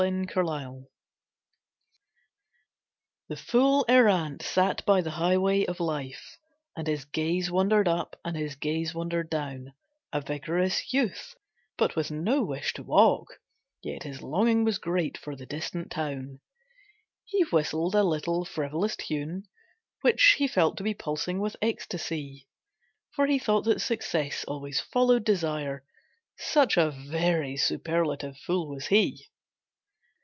The Fool Errant The Fool Errant sat by the highway of life And his gaze wandered up and his gaze wandered down, A vigorous youth, but with no wish to walk, Yet his longing was great for the distant town. He whistled a little frivolous tune Which he felt to be pulsing with ecstasy, For he thought that success always followed desire, Such a very superlative fool was he.